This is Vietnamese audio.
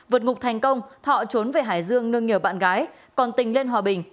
vượt ngục thành công thọ trốn về hải dương nâng nhờ bạn gái còn tình lên hòa bình